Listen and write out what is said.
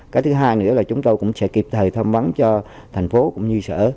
cái thứ hai nữa là chúng tôi cũng sẽ kịp thời thăm vấn cho thành phố cũng như sở